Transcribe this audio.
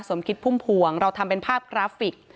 สมคิดพุ่มพวงเราทำเป็นภาพกราฟิก